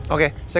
oke saya ketemu